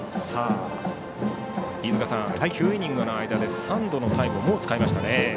飯塚さん、９イニングの間で３度のタイムをもう使いました。